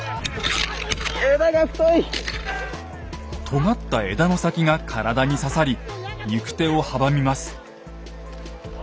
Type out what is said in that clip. とがった枝の先が体に刺さり行く手を阻みます。